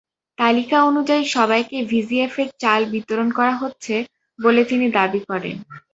তালিকা অনুযায়ী সবাইকে ভিজিএফের চাল বিতরণ করা হচ্ছে বলে তিনি দাবি করেন।